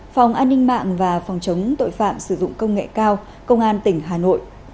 phòng an ninh mạng và phòng chống tội phạm sử dụng công nghệ cao công an tỉnh hà nội